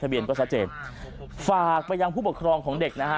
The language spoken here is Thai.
เบียนก็ชัดเจนฝากไปยังผู้ปกครองของเด็กนะฮะ